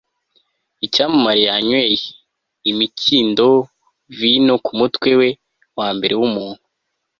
icyamamare yanyweye imikindo-vino kumutwe we wambere wumuntu